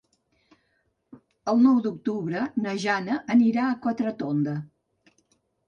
El nou d'octubre na Jana anirà a Quatretonda.